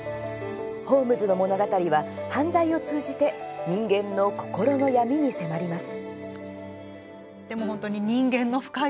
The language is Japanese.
ホームズの物語は、犯罪を通じて人間の心の闇に迫ります。